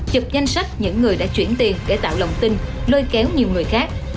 chụp danh sách những người đã chuyển tiền để tạo lòng tin lôi kéo nhiều người khác